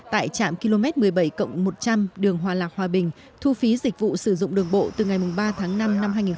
tại trạm km một mươi bảy một trăm linh đường hòa lạc hòa bình thu phí dịch vụ sử dụng đường bộ từ ngày ba tháng năm năm hai nghìn hai mươi